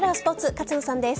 勝野さんです。